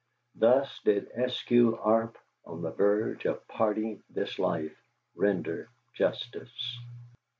Thus did Eskew Arp on the verge of parting this life render justice.